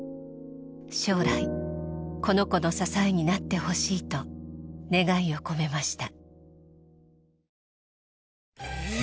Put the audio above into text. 将来この子の支えになってほしいと願いを込めました。